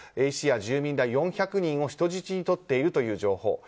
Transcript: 医師や住民ら４００人を人質にとっているという情報。